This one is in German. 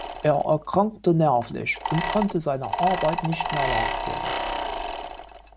Er erkrankte nervlich und konnte seiner Arbeit nicht mehr nachgehen.